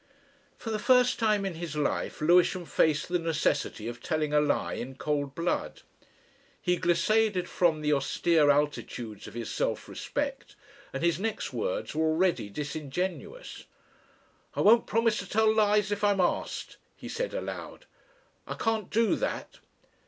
For the first time in his life Lewisham faced the necessity of telling a lie in cold blood. He glissaded from, the austere altitudes of his self respect, and his next words were already disingenuous. "I won't promise to tell lies if I'm asked," he said aloud. "I can't do that."